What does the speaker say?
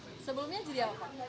sebelumnya jadi apa